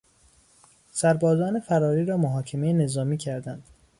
سربازان فراری را محاکمه نظامی کردند.